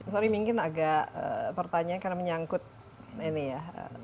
sorry mungkin agak pertanyaan karena menyangkut ini ya